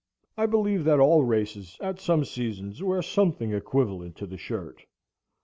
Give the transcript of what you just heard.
I believe that all races at some seasons wear something equivalent to the shirt.